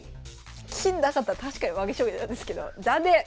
金なかったら確かに負け将棋なんですけど残念！